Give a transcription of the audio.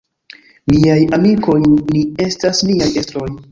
Miaj amikoj, ni estas niaj estroj.